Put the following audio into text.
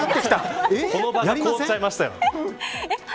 この場が凍っちゃいましたよ。